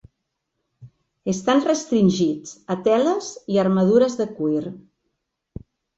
Estan restringits a teles i armadures de cuir.